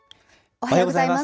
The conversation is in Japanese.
おはようございます。